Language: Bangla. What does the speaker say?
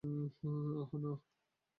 আহ, না!